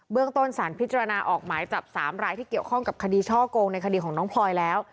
เรื่องต้นสารพิจารณาออกหมายจับ๓รายที่เกี่ยวข้องกับคดีช่อกงในคดีของน้องพลอยแล้ว